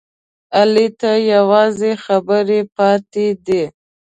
علي ته یوازې خبرې پاتې دي.